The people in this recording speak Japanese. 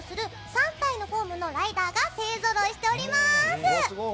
３体のフォームのライダーが勢ぞろいしております。